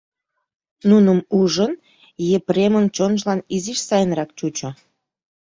Нуным ужын, Епремын чонжылан изиш сайынрак чучо.